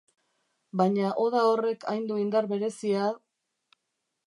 Baina oda horrek hain du indar berezia...